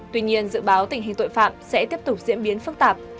tuy nhiên dự báo tình hình tội phạm sẽ tiếp tục diễn biến phức tạp